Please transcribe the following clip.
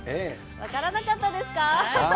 分からなかったです。